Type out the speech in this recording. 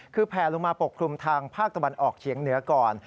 คือแผลลงมาปกคลุมทางภาคตะวันออกเฉียงเหนือก่อน